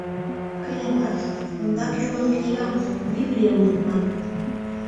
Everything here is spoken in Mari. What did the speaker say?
Кынелат, ондак юмын книгам, библийым, лудман.